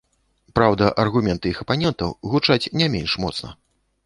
Праўда, аргументы іх апанентаў гучаць не менш моцна.